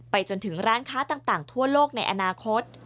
จนถึงร้านค้าต่างทั่วโลกในอนาคต